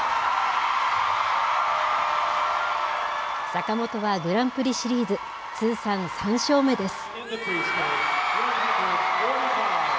坂本はグランプリシリーズ、通算３勝目です。